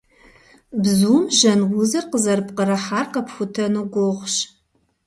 Бзум жьэн узыр къызэрыпкърыхьар къэпхутэну гугъущ.